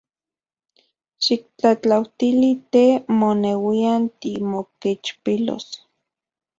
Xiktlajtlautili te moneuian timokechpilos.